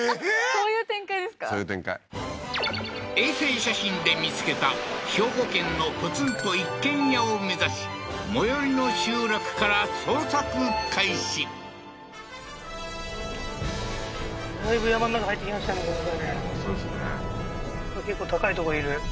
そういう展開衛星写真で見つけた兵庫県のポツンと一軒家を目指し最寄りの集落から捜索開始そうですね